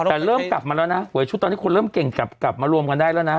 แต่เริ่มกลับมาแล้วนะหวยชุดตอนนี้คนเริ่มเก่งกลับมารวมกันได้แล้วนะ